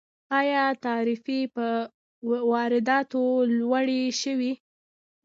آیا تعرفې په وارداتو لوړې شوي؟